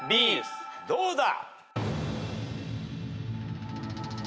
どうだ？